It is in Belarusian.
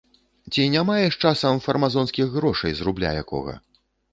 Ці не маеш часам фармазонскіх грошай з рубля якога?